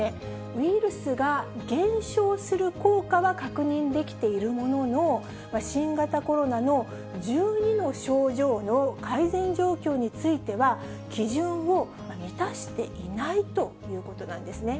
ウイルスが減少する効果は確認できているものの、新型コロナの１２の症状の改善状況については、基準を満たしていないということなんですね。